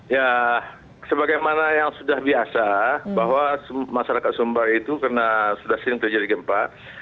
ya sebagaimana yang sudah biasa bahwa masyarakat sumbar itu karena sudah sering terjadi gempa